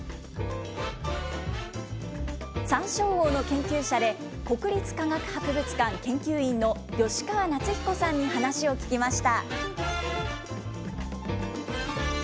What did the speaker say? サンショウウオの研究者で、国立科学博物館研究員の吉川夏彦さんに話を聞きました。